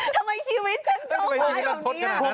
ทำไมชีวิตฉันโจมตรายเหล่านี้